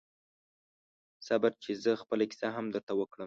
صبر چې زه خپله کیسه هم درته وکړم